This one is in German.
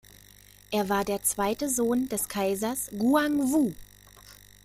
Er war der zweite Sohn des Kaisers Guangwu.